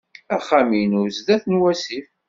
Axxam-inu sdat n wasif.